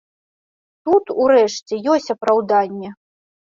Тут, урэшце, ёсць апраўданне.